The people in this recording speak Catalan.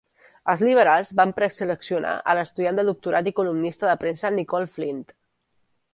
Els Liberals van preseleccionar a l'estudiant de doctorat i columnista de premsa Nicolle Flint.